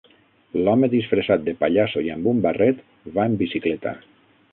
L'home disfressat de pallasso i amb un barret va en bicicleta